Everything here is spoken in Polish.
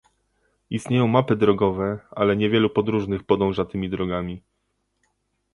Istnieją mapy drogowe, ale niewielu podróżnych podąża tymi drogami